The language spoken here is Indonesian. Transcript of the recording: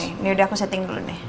ini udah aku setting dulu deh